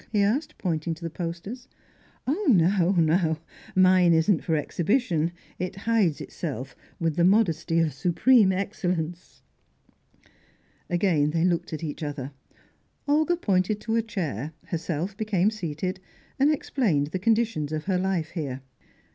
he asked, pointing to the posters. "No, no! Mine isn't for exhibition. It hides itself with the modesty of supreme excellence!" Again they looked at each other; Olga pointed to a chair, herself became seated, and explained the conditions of her life here.